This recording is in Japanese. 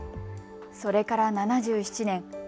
それから７７年。